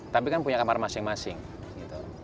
tapi kan punya kamar masing masing gitu